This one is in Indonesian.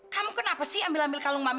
kamu kenapa sih ambil ambil kalung mami